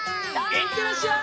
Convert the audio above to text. いってらっしゃい！